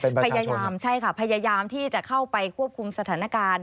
เป็นประชาชนเหรอคะใช่ค่ะพยายามที่จะเข้าไปควบคุมสถานการณ์